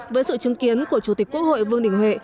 với sự chứng kiến của chủ tịch quốc hội vương đình huệ